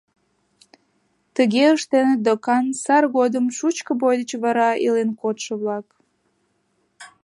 Тыге ыштеныт докан сар годым шучко бой деч вара илен кодшо-влак...